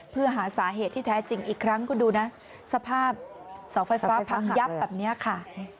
เพื่อหาสาเหตุที่แท้จริงอีกครั้งคุณดูนะสภาพเสาไฟฟ้าพังยับแบบนี้ค่ะ